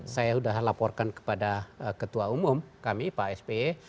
saya sudah laporkan kepada ketua umum kami pak sp